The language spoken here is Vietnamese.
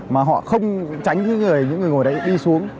mà họ không tránh những người ngồi đấy đi xuống